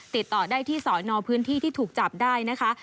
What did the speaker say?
ติดต่อได้ที่สอนอพื้นที่ที่ถูกจับได้นะคะ